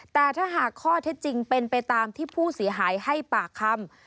แต่ถ้าหากข้อเท็จจริงเป็นไปตามที่ผู้เสียหายให้ปากคำ